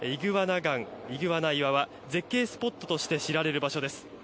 イグアナ岩は絶景スポットとして知られる場所です。